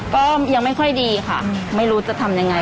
ก็ยังไม่ค่อยดีค่ะไม่รู้จะทำยังไง